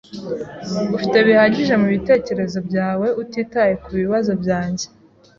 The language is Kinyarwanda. Ufite bihagije mubitekerezo byawe utitaye kubibazo byanjye.